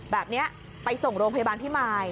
แบบนี้ไปส่งโรงพยาบาลพิมาย